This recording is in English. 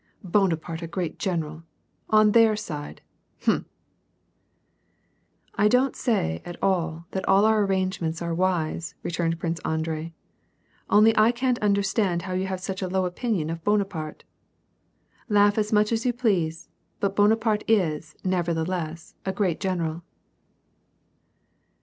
Bonaparte a great general, on their side ! hm !"" I don't say, at all, that all our arrangements are wise," re turned Prince Andrei, " only I can't understand how you have such a low opinion of Bonaparte. Laugh as much as you please, but Bonaparte is, nevertheless, a great general."